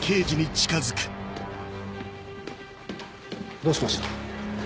・どうしました？